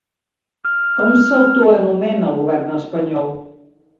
Com s'autoanomena el govern espanyol?